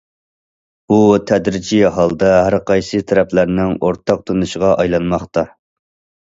بۇ تەدرىجىي ھالدا ھەر قايسى تەرەپلەرنىڭ ئورتاق تونۇشىغا ئايلانماقتا.